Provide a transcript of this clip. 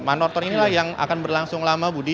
manortor inilah yang akan berlangsung lama budi